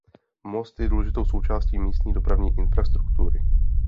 Most je důležitou součástí místní dopravní infrastruktury.